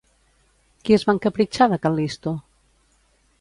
Qui es va encapritxar de Cal·listo?